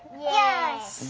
よし！